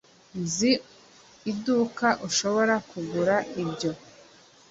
Nzi iduka ushobora kugura ibyo